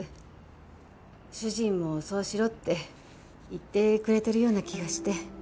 主人もそうしろって言ってくれてるような気がして。